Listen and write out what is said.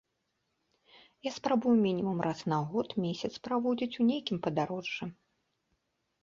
Я спрабую мінімум раз на год месяц праводзіць у нейкім падарожжы.